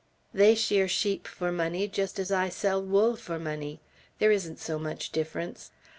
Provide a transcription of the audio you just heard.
They shear sheep for money just as I sell wool for money. There isn't so much difference.